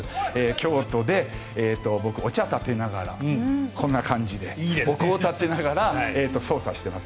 京都で僕、お茶をたてながらこんな感じでお茶をたてながら捜査をしています。